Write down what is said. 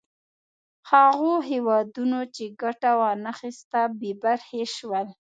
هغو هېوادونو چې ګټه وا نه خیسته بې برخې شول.